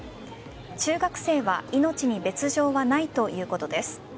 中学生は命に別条はないということです。